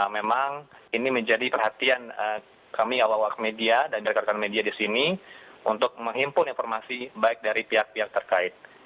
memang ini menjadi perhatian kami awal awal media dan rekan rekan media di sini untuk menghimpun informasi baik dari pihak pihak terkait